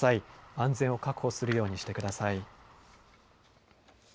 安全を確保するようにしてください。